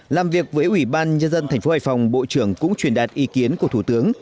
làm việc với ủy ban nhân dân thành phố hải phòng bộ trưởng cũng truyền đạt ý kiến của thủ tướng